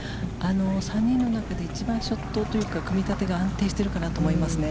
３人の中で、一番ショットというか、組み立てが安定しているかなと思いますね。